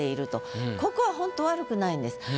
ここはほんと悪くないんです。